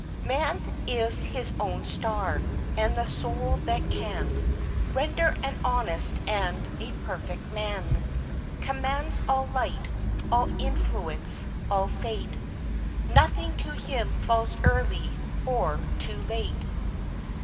"Man is his own star, and the soul that can Render an honest and a perfect man, Commands all light, all influence, all fate, Nothing to him falls early, or too late.